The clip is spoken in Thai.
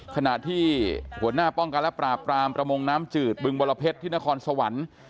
ขณะที่หัวหน้าป้องกันและปราบปรามประมงน้ำจืดบึงบรเพชรที่นครสวรรค์